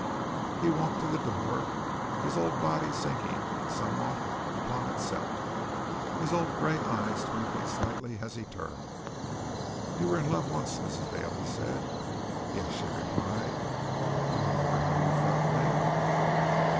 He walked to the door, his old body sinking in somewhat upon itself. His old, gray eyes twinkled slightly as he turned. "You were in love once, Mrs. Dale," he said. "Yes," she replied. "You remember how you felt then?"